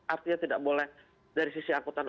artinya tidak boleh dari sisi angkutan